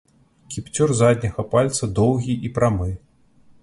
Кіпцюр задняга пальца доўгі і прамы.